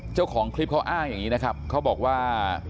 เจ้าของคลิปเขาอ้างอย่างนี้นะครับเขาบอกว่า